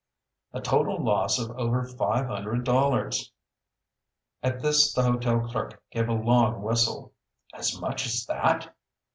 "A total loss of over five hundred dollars," said Tom. At this the hotel clerk gave a long whistle. "As much as that?"